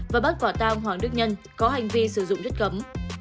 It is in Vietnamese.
và bắt quả tang hoàng đức nhân có hành vi sử dụng rất gấm